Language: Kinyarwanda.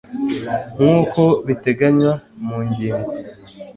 nk uko biteganywa mu ngingo